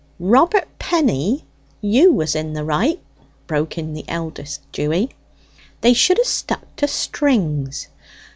"Robert Penny, you was in the right," broke in the eldest Dewy. "They should ha' stuck to strings.